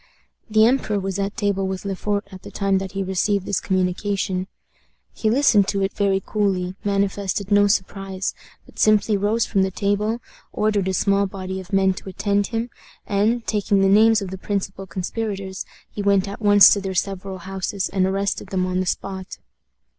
The emperor was at table with Le Fort at the time that he received this communication. He listened to it very coolly manifested no surprise but simply rose from the table, ordered a small body of men to attend him, and, taking the names of the principal conspirators, he went at once to their several houses and arrested them on the spot.